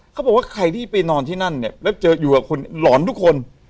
เขาบอกว่าใครที่ไปนอนที่นั่นเนี่ยแล้วเจออยู่กับคนหลอนทุกคน